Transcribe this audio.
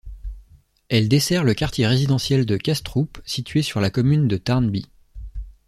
Elle dessert le quartier résidentiel de Kastrup situé sur la commune de Tårnby.